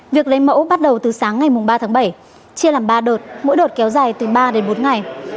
việc lấy mẫu bắt đầu từ sáng ngày ba tháng bảy chia làm ba đợt mỗi đợt kéo dài từ ba đến bốn ngày